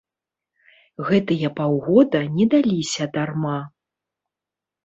Гэтыя паўгода не даліся дарма.